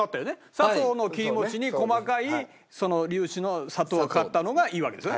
サトウの切り餅に細かい粒子の砂糖がかかったのがいいわけですよね。